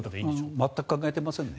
全く考えていませんね。